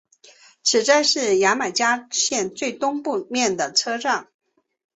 此站是牙买加线最东面的车站。